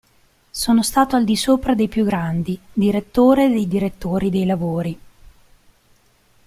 Sono stato al di sopra dei più grandi, direttore dei direttori dei lavori.